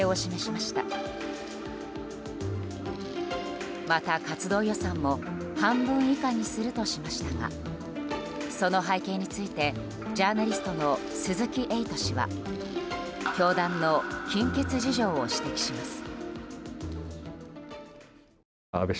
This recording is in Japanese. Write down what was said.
また、活動予算も半分以下にするとしましたがその背景についてジャーナリストの鈴木エイト氏は教団の金欠事情を指摘します。